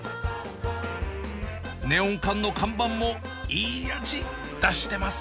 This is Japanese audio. ネオン管の看板もいい味出してます。